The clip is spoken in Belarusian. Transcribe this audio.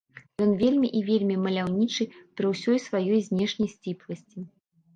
Ён вельмі і вельмі маляўнічы пры ўсёй сваёй знешняй сціпласці.